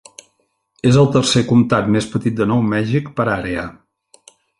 És el tercer comtat més petit de Nou Mèxic per àrea.